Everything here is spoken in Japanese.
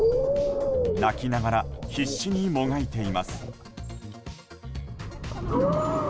鳴きながら必死にもがいています。